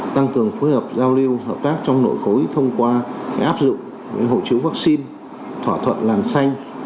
tăng cường phối hợp giao lưu hợp tác trong nội khối thông qua áp dụng hội chứng vaccine thỏa thuận làn xanh